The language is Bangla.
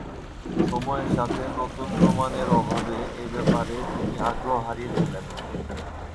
সময়ের সাথে নতুন প্রমাণের অভাবে এ ব্যাপারে তিনি আগ্রহ হারিয়ে ফেলেন।